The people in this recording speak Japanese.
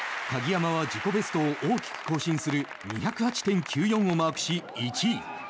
鍵山は自己ベストを大きく更新する２０８．９４をマークし１位。